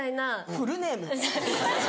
フルネーム？